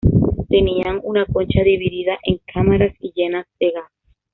Tenían una concha dividida en cámaras y llena de gas.